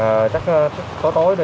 ờ chắc tối tối đi